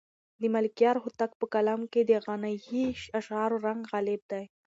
د ملکیار هوتک په کلام کې د غنایي اشعارو رنګ غالب دی.